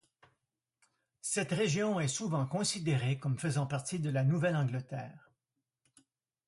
Cette région est souvent considérée comme faisant partie de la Nouvelle-Angleterre.